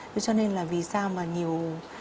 vì cho nên là vì sao mà nhiều